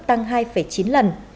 tăng hai chín lần